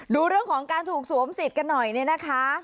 ดูเรื่องของการถูกสวมสิทธิ์กันหน่อยเนี่ยนะคะ